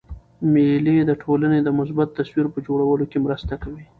مېلې د ټولني د مثبت تصویر په جوړولو کښي مرسته کوي.